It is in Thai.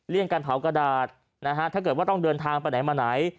เลี่ยงการเผากระดาษถ้าเกิดว่าต้องเดินทางไปไหนมาไหน